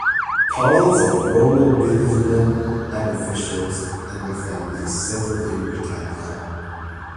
Thousands of Roman businessmen and officials and their families settled in Britannia.